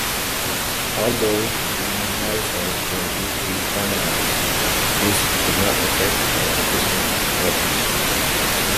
Although Marisol was deeply traumatized, this did not affect her artistic talents.